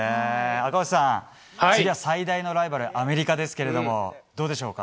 赤星さん、次は最大のライバルアメリカですけどもどうでしょうか。